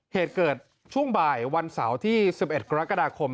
เหตุเกิดช่วงบ่ายวันเสาร์ที่๑๑กรกฎาคม